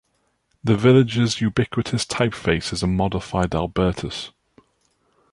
The Village's ubiquitous typeface is a modified Albertus.